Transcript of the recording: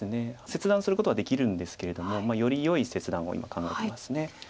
切断することはできるんですけれどもよりよい切断を今考えてます。